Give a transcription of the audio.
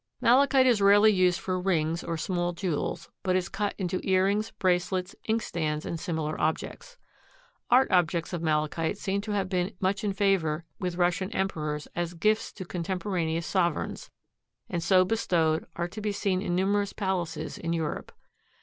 Malachite is rarely used for rings or small jewels but is cut into earrings, bracelets, inkstands and similar objects. Art objects of malachite seem to have been in much favor with Russian emperors as gifts to contemporaneous sovereigns, and so bestowed are to be seen in numerous palaces in Europe.